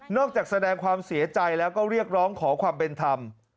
จากแสดงความเสียใจแล้วก็เรียกร้องขอความเป็นธรรม